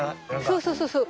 そうそうそうそう。